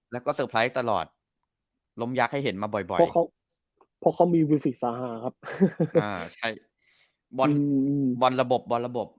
แล้วก็เซอร์ไพรส์ตลอดล้มยักษ์ให้เห็นมาบ่อยเพราะเขาเขามีวิธีสาหะครับแบรนดี